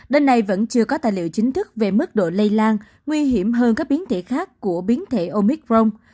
đến nay vẫn chưa có tài liệu chính thức về mức độ lây lan nguy hiểm hơn các biến thể khác của biến thể omicron